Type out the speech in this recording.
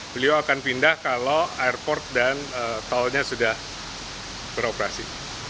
beliau akan pindah kalau airport dan tolnya sudah beroperasi